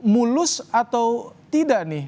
mulus atau tidak nih